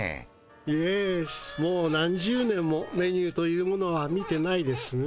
イエスもう何十年もメニューというものは見てないですね。